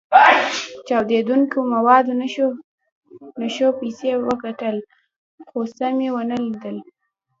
چاودېدونکو موادو نښو پسې وکتل، خو څه مې و نه لیدل.